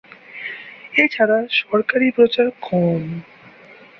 এছাড়া সরকারি প্রচার কম।